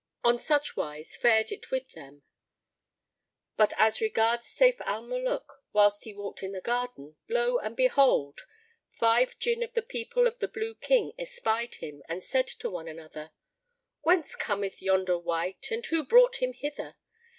On such wise fared it with them; but as regards Sayf al Muluk, whilst he walked in the garden, lo and behold! five Jinn of the people of the Blue King espied him and said to one another, "Whence cometh yonder wight and who brought him hither?